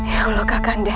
ya allah kak adah